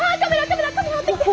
カメラ持ってきて。